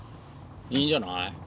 いいんじゃない？